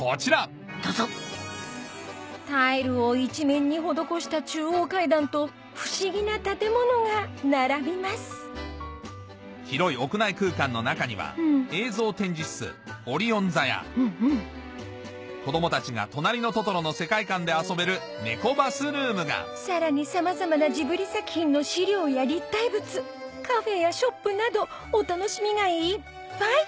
どうぞタイルを一面に施した中央階段と不思議な建物が並びます広い屋内空間の中には映像展示室・オリヲン座や子供たちが『となりのトトロ』の世界観で遊べるネコバスルームがさらにさまざまなジブリ作品の資料や立体物カフェやショップなどお楽しみがいっぱい！